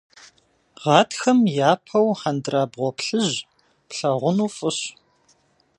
Гъатхэм япэу хьэндырабгъуэ плъыжь плъагъуну фӏыщ.